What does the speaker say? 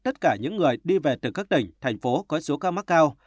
tất cả những người đi về từ các tỉnh thành phố có số ca mắc cao